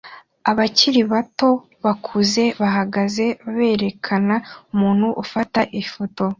Abakiri bato bakuze bahagaze berekana umuntu ufata ifoto